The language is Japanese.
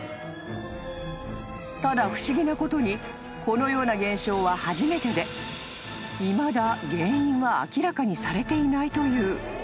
［ただ不思議なことにこのような現象は初めてでいまだ原因は明らかにされていないという］